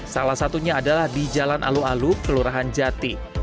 salah satunya adalah di jalan alu alu kelurahan jati